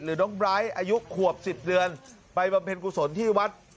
น้องไบร์ทอายุขวบ๑๐เดือนไปบำเพ็ญกุศลที่วัด